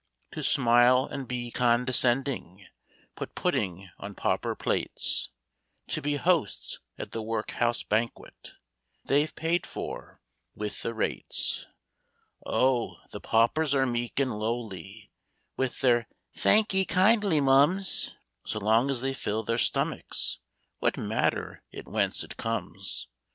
. To smile and be condescending, Put pudding on pauper plates, To be hosts at the workhouse banquet They Ve paid for — ^\vith the rates. Oh, the paupers are meek and lowly With their " Thank 'ee kindly, mum's"; So long as they fill their stomachs, What matter it whence it comes